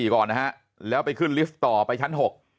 ก่อนนะฮะแล้วไปขึ้นลิฟต์ต่อไปชั้น๖